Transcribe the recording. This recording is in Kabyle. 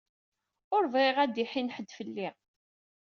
Ur bɣiɣ ad d-iḥin ḥedd fell-i.